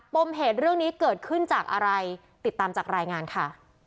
มเหตุเรื่องนี้เกิดขึ้นจากอะไรติดตามจากรายงานค่ะ